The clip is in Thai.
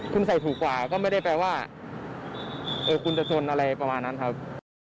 คุณใส่ถูกกว่าก็ไม่ได้แปลว่าคุณจะชนอะไรประมาณนั้นครับ